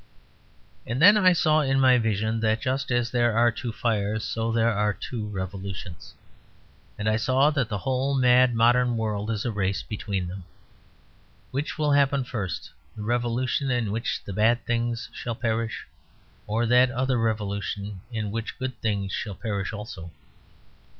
And then I saw, in my vision, that just as there are two fires, so there are two revolutions. And I saw that the whole mad modern world is a race between them. Which will happen first the revolution in which bad things shall perish, or that other revolution, in which good things shall perish also?